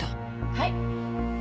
はい。